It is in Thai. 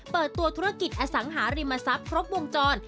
เปิดตัวธุรกิจอสังหาริมทรัพย์ครบวงจร